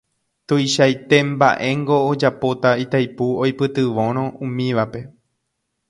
Tuichaite mba'éngo ojapóta Itaipu oipytyvõrõ umívape